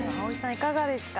いかがですか？